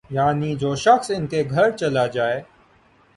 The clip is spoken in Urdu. یعنی جو شخص ان کے گھر چلا جائے